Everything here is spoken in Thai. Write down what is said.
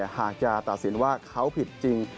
หากจะตัดสินว่าเขาผิดจริง